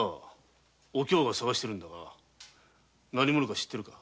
お京が捜してるんだが知ってるか？